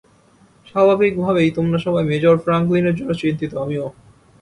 স্বাভাবিকভাবেই, তোমরা সবাই মেজর ফ্র্যাঙ্কলিনের জন্য চিন্তিত, আমিও।